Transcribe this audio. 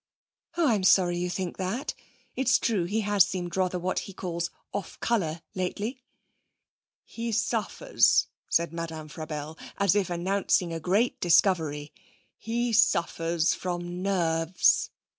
'Oh, I'm sorry you think that. It's true he has seemed rather what he calls off colour lately.' 'He suffers,' said Madame Frabelle, as if announcing a great discovery,' he suffers from Nerves.'